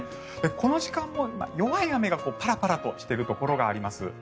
この時間も弱い雨がパラパラとしているところがあります。